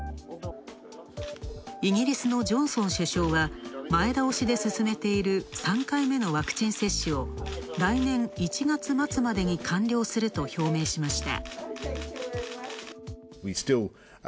イギリスのジョンソン首相は前倒しで進めている３回目のワクチン接種を来年１月末までに完了すると表明しました。